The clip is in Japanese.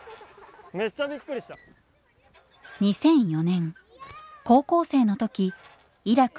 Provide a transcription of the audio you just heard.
２００４年高校生の時「イラク